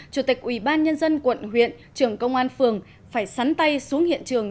chủ tịch ủy ban nhân dân quận huyện trưởng công an phường phải sắn tay xuống hiện trường